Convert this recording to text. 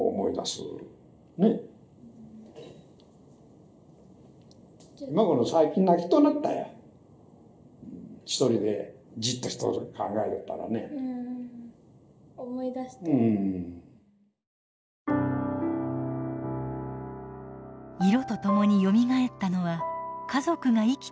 色とともによみがえったのは家族が生きていたという実感。